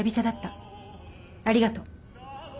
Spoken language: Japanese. ありがとう。